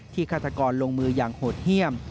ฆาตกรลงมืออย่างโหดเยี่ยม